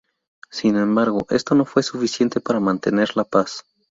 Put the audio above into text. Sin embargo, esto no fue suficiente para mantener la paz.